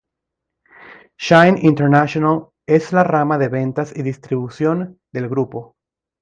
Shine International es la rama de ventas y distribución del grupo.